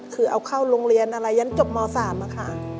คือเอาเข้าโรงเรียนอะไรยันจบม๓ค่ะ